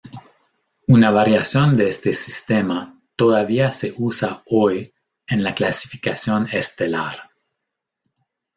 Una variación de este sistema todavía se usa hoy en la clasificación estelar.